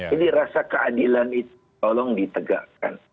jadi rasa keadilan itu tolong diberikan